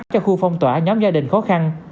cho khu phong tỏa nhóm gia đình khó khăn